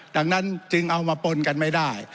ดังนั้นจึงเอามาปนกันไม่ได้